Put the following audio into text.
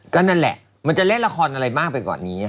ก็นั่นแหละมันจะเล่นละครอะไรมากไปกว่านี้